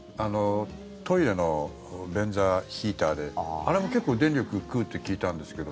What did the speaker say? トイレの便座ヒーターであれも結構、電力食うって聞いたんですけど。